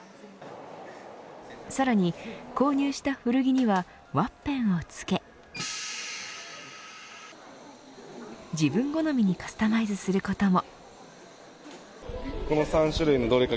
さらに購入した古着にはワッペンを付け自分好みにカスタマイズすることも。